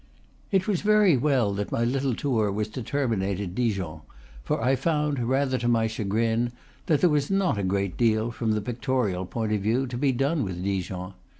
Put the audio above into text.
It was very well that my little tour was to termi nate at Dijon; for I found, rather to my chagrin, that there was not a great deal, from the pictorial point of view, to be done with Dijon.